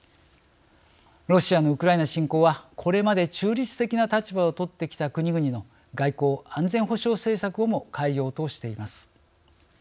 ロシアのウクライナ侵攻はこれまで中立的な立場をとってきた国々の外交・安全保障政策をも変えようとしています。